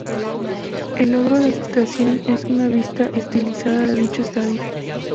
El logo de la estación es una vista estilizada de dicho estadio.